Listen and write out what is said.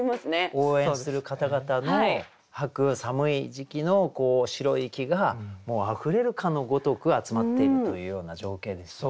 応援する方々の吐く寒い時期の白い息がもうあふれるかのごとく集まっているというような情景ですよね。